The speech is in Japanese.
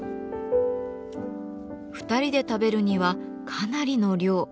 ２人で食べるにはかなりの量。